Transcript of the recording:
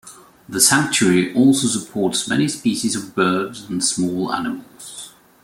The sanctuary also supports many species of birds and small animals.